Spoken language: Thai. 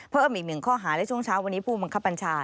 เพิ่มอีกหนึ่งข้อหาในช่วงเช้าวันนี้ผู้บังคับบัญชา